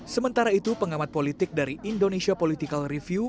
sementara itu pengamat politik dari indonesia political review